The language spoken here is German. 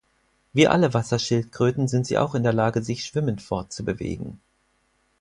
Wie alle Wasserschildkröten sind sie auch in der Lage, sich schwimmend fortzubewegen.